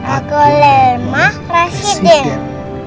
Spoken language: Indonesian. aku lemah residen